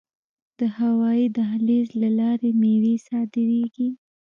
د هوایی دهلیز له لارې میوې صادریږي.